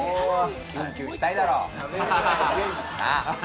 キュンキュンしたいだろう？